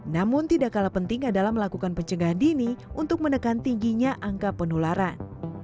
namun tidak kalah penting adalah melakukan pencegahan dini untuk menekan tingginya angka penularan